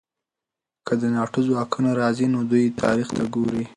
که د ناټو ځواکونه راځي، نو دوی تاریخ ته ګوري.